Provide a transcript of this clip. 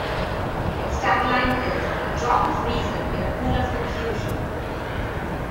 Its tagline is "a drop of reason in a pool of confusion".